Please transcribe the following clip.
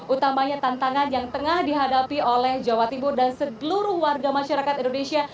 utamanya tantangan yang tengah dihadapi oleh jawa timur dan seluruh warga masyarakat indonesia